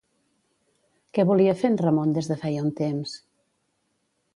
Què volia fer en Ramon des de feia un temps?